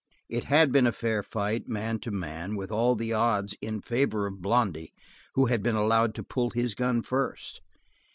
It had been fair fight, man to man, with all the odds in favor of Blondy, who had been allowed to pull his gun first.